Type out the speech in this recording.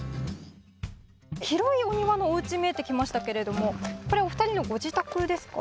広いお庭のおうち、見えてきましたけれどもこれはお二人のご自宅ですか？